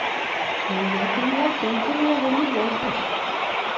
Ніякімі ласункамі яго не возьмеш!